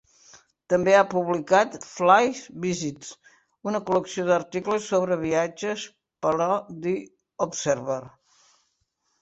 També ha publicat "Flying Visits", una col·lecció d'articles sobre viatges per a "The Observer".